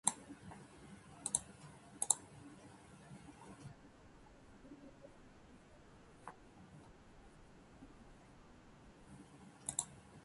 人生で一番影響を受けた本って、何だったかすぐに答えられる？